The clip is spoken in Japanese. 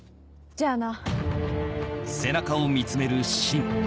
じゃあな。